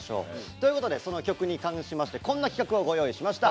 ということでその曲に関しましてこんな企画をご用意しました。